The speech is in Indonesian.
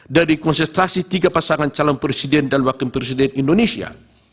dari konsentrasi tiga pasangan calon presiden dan wakil presiden indonesia